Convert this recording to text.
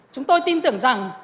chúng tôi tin tưởng rằng